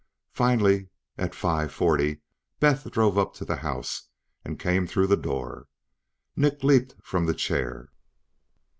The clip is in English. Finally, at five forty, Beth drove up to the house and came through the door. Nick leaped from the chair.